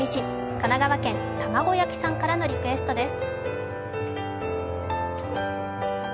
神奈川県たまごやきさんからのリクエストです